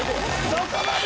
そこまで！